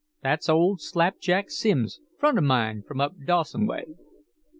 "That's old 'Slapjack' Simms, friend of mine from up Dawson way."